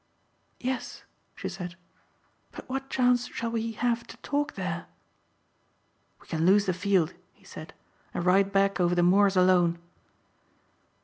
"Yes," she said, "but what chance shall we have to talk there?" "We can lose the field," he said, "and ride back over the moors alone."